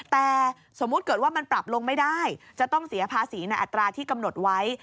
แต่สมมุติเกิดว่ามันปรับลงไม่ได้จะต้องเสียภาษีในอัตราที่กำหนดไว้